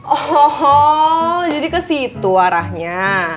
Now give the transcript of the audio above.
ohohoh jadi kesitu arahnya